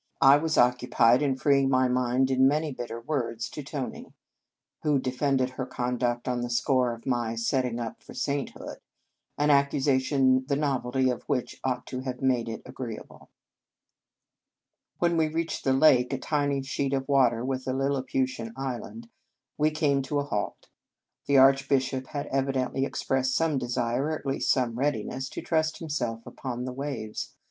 I was oc cupied in freeing my mind in many bitter words to Tony, who defended her conduct on the score of my " set ting up for sainthood," an accusa tion the novelty of which ought to have made it agreeable. When we reached the lake, a tiny sheet of water with a Lilliputian island, we came to a halt. The Archbishop had evidently expressed some desire, or at least some readiness, to trust himself upon the waves.